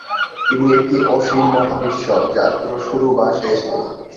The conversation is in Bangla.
তিনি একটি অসীম মহাবিশ্ব, যার কোনো শুরু বা শেষ নেই।